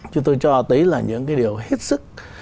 chúng tôi cho đấy là những cái điều hết sức